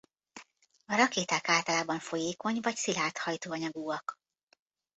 A rakéták általában folyékony vagy szilárd hajtóanyagúak.